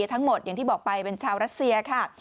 อย่างที่บอกไปเป็นชาวรัสเซียค่ะ